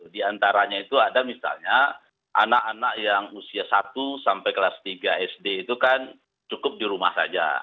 di antaranya itu ada misalnya anak anak yang usia satu sampai kelas tiga sd itu kan cukup di rumah saja